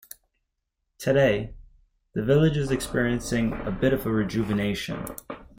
Today, the village is experiencing a bit of a rejuvenation.